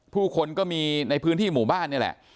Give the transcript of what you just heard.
ผู้คนก็มีในพื้นที่หมู่บ้านนี่แหละ